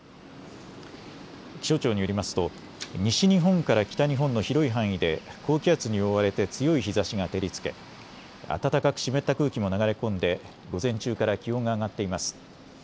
気象庁によりますと西日本から北日本の広い範囲で高気圧に覆われて強い日ざしが照りつけ暖かく湿った空気も流れ込んで午前中から気温が上がっています。